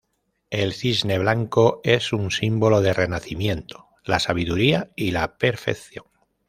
El cisne blanco es un símbolo de renacimiento, la sabiduría y la perfección.